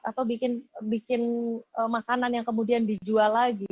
atau bikin makanan yang kemudian dijual lagi